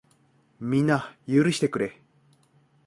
みんな、許してくれ。